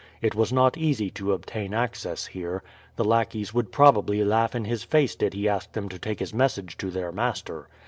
It was not easy to obtain access here. The lackeys would probably laugh in his face did he ask them to take his message to their master.